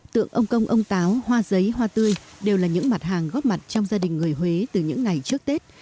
tượng ông công ông táo hoa giấy hoa tươi đều là những mặt hàng góp mặt trong gia đình người huế từ những ngày trước tết